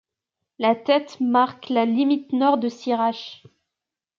La Têt marque la limite nord de Sirach.